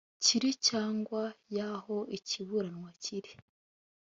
kiri cyangwa y aho ikiburanwa kiri